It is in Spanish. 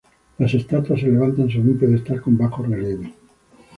La estatua se levanta sobre un pedestal con bajorrelieves.